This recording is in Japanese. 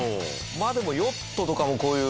まあでもヨットとかもこういう。